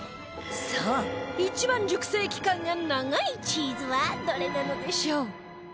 さあ一番熟成期間が長いチーズはどれなのでしょう？